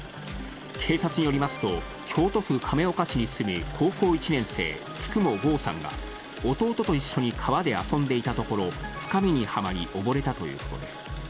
警察によりますと、京都府亀岡市に住む高校１年生、九十九郷さんが、弟と一緒に川で遊んでいたところ、深みにはまり、溺れたということです。